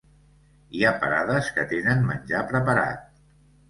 Hi ha parades que tenen menjar preparat.